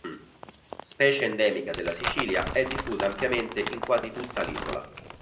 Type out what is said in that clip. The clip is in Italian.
Specie endemica della Sicilia, è diffusa ampiamente in quasi tutta l'isola.